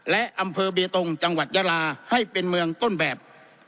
และอำเภอเบตงจังหวัดยาลาให้เป็นเมืองต้นแบบ